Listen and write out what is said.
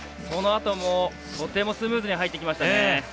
そのあともとてもスムーズに入ってきましたね。